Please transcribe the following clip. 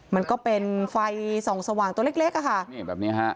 มันก็เป็นไฟสองสว่างตัวเล็กแบบนี้ค่ะ